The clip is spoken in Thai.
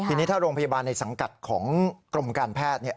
ทีนี้ถ้าโรงพยาบาลในสังกัดของกรมการแพทย์